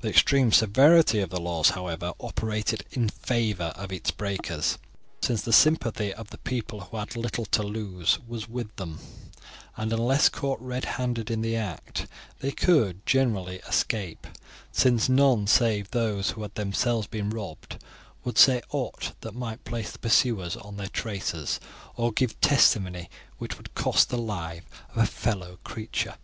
The extreme severity of the laws, however, operated in favour of its breakers, since the sympathy of the people who had little to lose was with them, and unless caught red handed in the act they could generally escape, since none save those who had themselves been robbed would say aught that would place the pursuers on their traces, or give testimony which would cost the life of a fellow creature.